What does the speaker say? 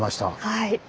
はい。